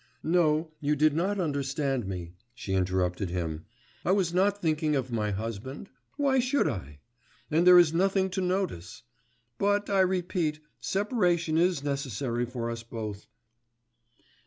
'No; you did not understand me,' she interrupted him. 'I was not thinking of my husband. Why should I? And there is nothing to notice. But I repeat, separation is necessary for us both.